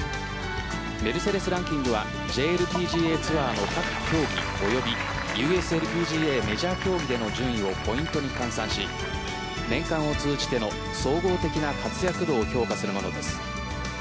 メルセデス・ランキングはＪＬＰＧＡツアーの各競技およびＵＳＬＰＧＡメジャー競技での順位をポイントに換算し年間を通じての総合的な活躍度を評価するものです。